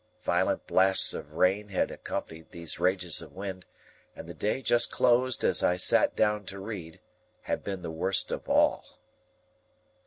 Violent blasts of rain had accompanied these rages of wind, and the day just closed as I sat down to read had been the worst of all.